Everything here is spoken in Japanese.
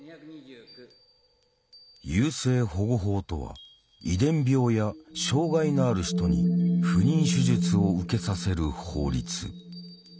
優生保護法とは遺伝病や障害のある人に不妊手術を受けさせる法律。